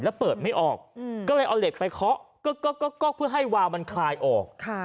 แล้วเปิดไม่ออกก็เลยเอาเหล็กไปเคาะเพื่อให้วาวมันคลายออก